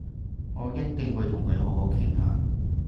我一定會同佢好好傾下